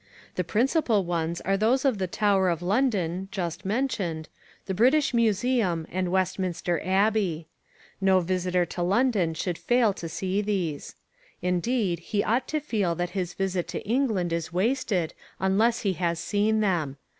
The principal ones of these are the Tower of London (just mentioned), the British Museum and Westminster Abbey. No visitor to London should fail to see these. Indeed he ought to feel that his visit to England is wasted unless he has seen them.